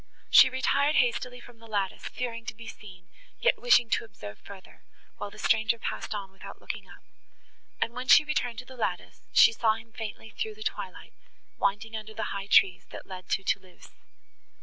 She retired hastily from the lattice, fearing to be seen, yet wishing to observe further, while the stranger passed on without looking up, and, when she returned to the lattice, she saw him faintly through the twilight, winding under the high trees, that led to Thoulouse.